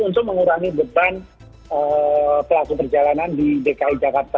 untuk mengurangi beban pelaku perjalanan di dki jakarta